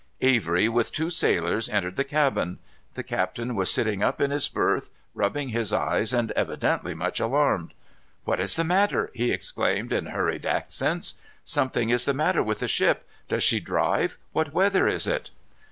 Avery, with two sailors, entered the cabin. The captain was sitting up in his berth, rubbing his eyes, and evidently much alarmed. "What is the matter?" he exclaimed in hurried Accents. "Something is the matter with the ship. Does she drive? What weather is it?"